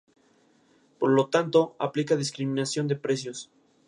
Por lo tanto, aplica discriminación de precios.